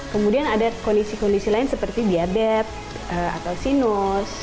kemudian ada kondisi kondisi lain seperti diabetes atau sinus